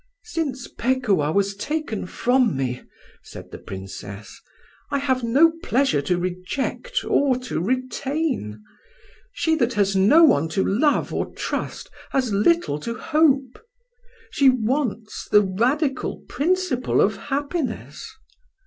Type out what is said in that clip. "Since Pekuah was taken from me," said the Princess, "I have no pleasure to reject or to retain. She that has no one to love or trust has little to hope. She wants the radical principle of happiness.